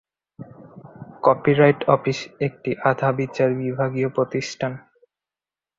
Copyright office একটি আধা-বিচার বিভাগীয় প্রতিষ্ঠান।